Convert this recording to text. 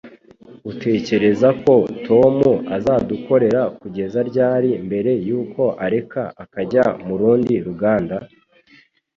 Utekereza ko Tom azadukorera kugeza ryari mbere yuko areka akajya mu rundi ruganda?